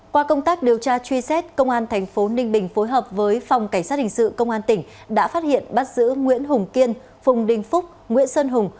qua công tác điều tra truy xét công an thành phố ninh bình phối hợp với phòng cảnh sát hình sự công an tỉnh đã phát hiện bắt giữ nguyễn hùng kiên phùng đinh phúc nguyễn sơn hùng